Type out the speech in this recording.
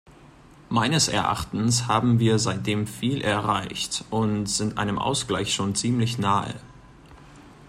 Meines Erachtens haben wir seitdem viel erreicht und sind einem Ausgleich schon ziemlich nahe.